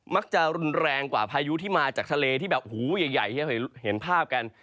มักจะรุนแรงกว่าพายุที่มาจากทะเลที่แบบหูใหญ่เห็นภาพกัน